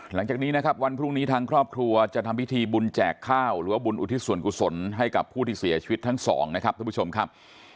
หลังจากนี้นะครับวันพรุ่งนี้ทางครอบครัวจะทำพิธีบุญแจกข้าวหรือว่าบุญอุทิศส่วนกุศลให้กับผู้ที่เสียชีวิตทั้งสองนะครับท่านผู้ชมครับ